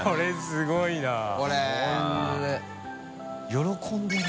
喜んでる。